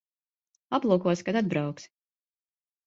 Aplūkosi, kad atbrauksi.